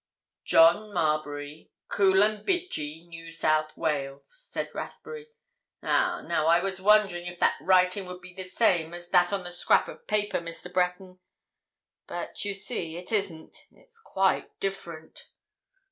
"'John Marbury, Coolumbidgee, New South Wales,'" said Rathbury. "Ah—now I was wondering if that writing would be the same as that on the scrap of paper, Mr. Breton. But, you see, it isn't—it's quite different."